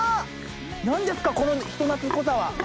何ですかこの人懐っこさは。